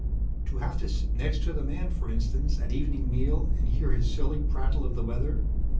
To have to sit next to the man, for instance, at evening meal and hear his silly prattle of the weather.